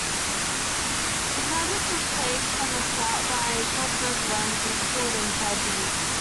The project was plagued from the start by cost overruns, discord, and tragedy.